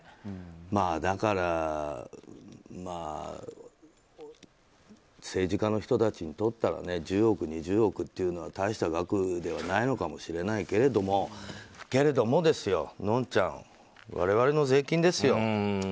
だから政治家の人たちにとったらね１０億、２０億というのは大した額じゃないのかもしれないですがのんちゃん、我々の税金ですよ。